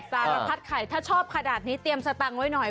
สารพัดไข่ถ้าชอบขนาดนี้เตรียมสตังค์ไว้หน่อย